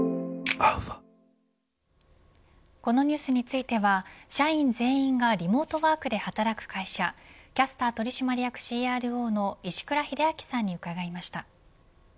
このニュースについては社員全員がリモートワークで働く会社キャスター取締役ＣＲＯの石倉秀明さんに伺いました。